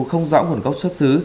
không rõ nguồn gốc xuất xứ